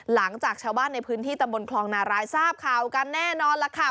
หลังจากชาวบ้านในพื้นที่ตำบลคลองนารายทราบข่าวกันแน่นอนล่ะค่ะ